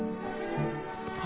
あ。